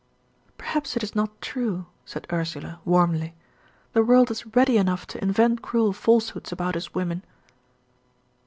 "Perhaps it is not true," said Ursula, warmly. "The world is ready enough to invent cruel falsehoods about us women."